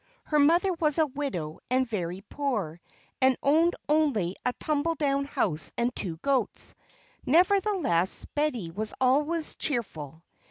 Her mother was a widow and very poor, and owned only a tumble down house and two goats. Nevertheless, Betty was always cheerful.